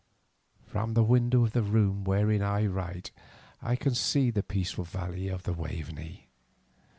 From the window of the room wherein I write I can see the peaceful valley of the Waveney.